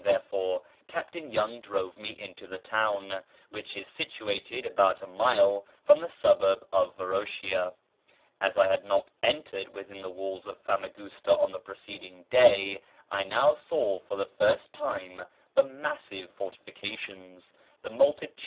therefore, Captain Young drove me into the town, which is situated about a mile from the suburb of Varoshia. As I had not entered within the walls of Famagusta on the preceding day I now saw for the first time the massive fortifications, the multitu 1 Concerning Mushkín Kalam see B.